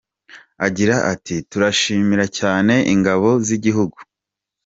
Agira ati “Turashimira cyane Ingabo z’Igihugu.